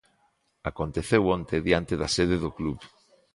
Aconteceu onte diante da sede do club.